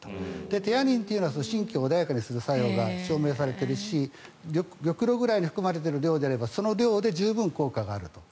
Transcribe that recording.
テアニンというのは神経を穏やかにする作用が証明されているし玉露ぐらいに含まれている量であればその量で充分効果があると。